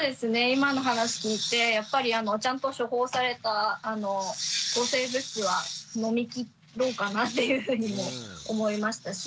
今の話聞いてやっぱりちゃんと処方された抗生物質は飲み切ろうかなっていうふうにも思いましたし